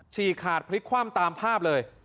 ชีคัดพลิกความตามภาพเลย